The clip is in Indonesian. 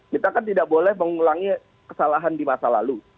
kita kan tidak boleh mengulangi kesalahan di masa lalu